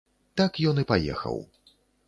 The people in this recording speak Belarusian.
Так ён і паехаў.